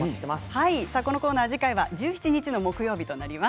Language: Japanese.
このコーナー次回は１７日木曜日となります。